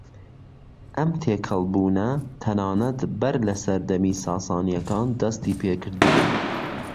ئەم تێكەڵبوونە تەنانەت بەر لە سەردەمی ساسانیەكان دەستی پێكردبوو